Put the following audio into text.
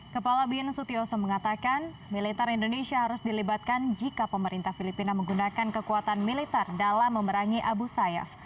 kepala bin sutyoso mengatakan militer indonesia harus dilibatkan jika pemerintah filipina menggunakan kekuatan militer dalam memerangi abu sayyaf